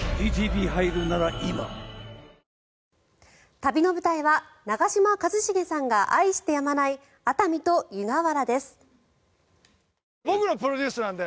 旅の舞台は長嶋一茂さんが愛してやまない熱海と湯河原です。